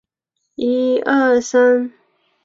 阿戈讷地区茹伊人口变化图示